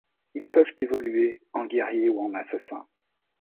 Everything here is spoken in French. Ils peuvent évoluer en guerrier ou en assassin.